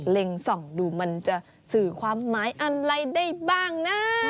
ส่องดูมันจะสื่อความหมายอะไรได้บ้างนะ